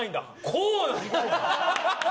こうなんだ。